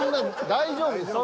大丈夫ですから。